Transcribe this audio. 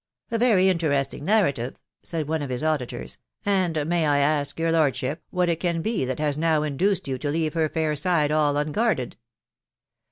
" A very interesting narrative," said one of his auditors ;" and may I ask your lordship what it can be that has now in duced you to leave her fair side all unguarded